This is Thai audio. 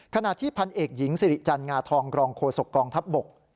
ขณะที่พันเอกหญิงสิริจันงาทองรองโฆษกองทัพบก